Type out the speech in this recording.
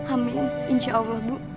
amin insya allah bu